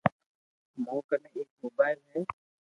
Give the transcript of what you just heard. مون ڪني ايڪ موبائل ھي